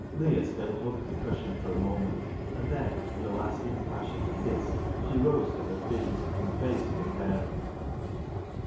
Leah still hugged the cushion for a moment, 7 98 BECKSIDE LIGHTS and then, with a last impassioned kiss, she rose to her feet and faced her parent.